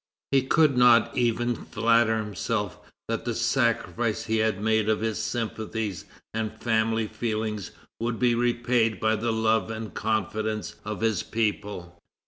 He could not even flatter himself that the sacrifice he had made of his sympathies and family feelings would be repaid by the love and confidence of his people.